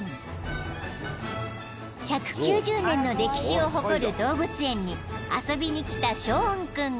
［１９０年の歴史を誇る動物園に遊びにきたショーン君が］